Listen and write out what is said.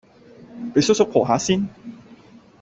俾叔叔抱吓先